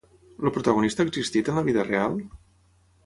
El protagonista ha existit en la vida real?